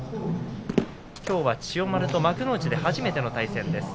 きょうは千代丸と幕内で初めての対戦です。